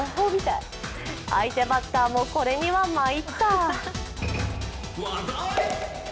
相手バッターもこれにはまいった。